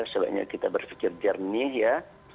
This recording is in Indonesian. sebaiknya kita berpikir jernih ya